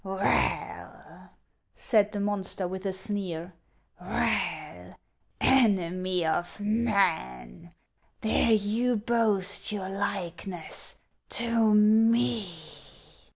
u Well," said the monster, with a sneer, —" well, enemy of man, dare you boast your likeness to me